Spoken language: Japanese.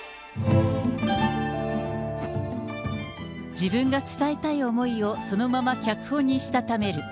自分が伝えたい思いをそのまま脚本にしたためる。